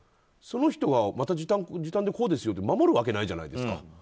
その人はまた時短でこうですよって守るわけないじゃないですか。